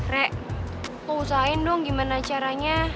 rek aku usahain dong gimana caranya